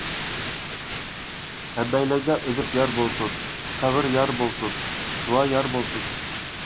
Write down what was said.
ھەممەيلەنگە ئۈمىد يار بولسۇن، سەۋر يار بولسۇن، دۇئا يار بولسۇن!